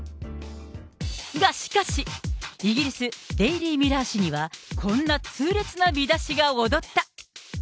が、しかし、イギリス、デイリー・ミラー紙にはこんな痛烈な見出しが躍った。